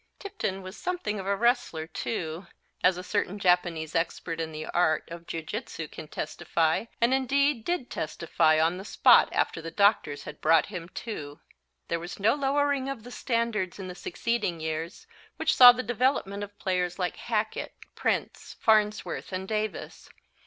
Tipton was something of a wrestler too, as a certain Japanese expert in the art of Jiu jitsu can testify and indeed did testify on the spot after the doctors had brought him too. There was no lowering of the standards in the succeeding years, which saw the development of players like Hackett, Prince, Farnsworth and Davis.